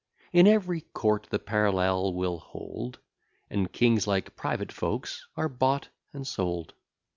In every court the parallel will hold; And kings, like private folks, are bought and sold.